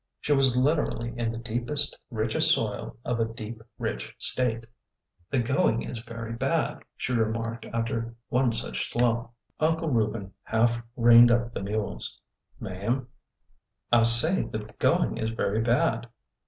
She was literally in the deepest, richest soil of a deep, rich State. " The going is very bad," she remarked after one such slough. 22 ORDER NO. 11 Unde Reuben half reined up the mules. Ma'am?'' '' I say the going is very bad."